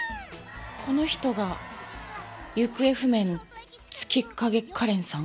この人が行方不明の月影カレンさん？